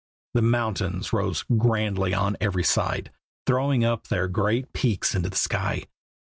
The mountains rose grandly on every side, throwing up their great peaks into the sky.